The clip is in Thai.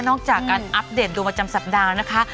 นอกจากการสับตาลดูมาจำสัปดาห์นะคะ